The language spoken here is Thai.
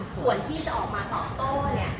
ส่วนที่จะออกมาตอบโต้เนี่ย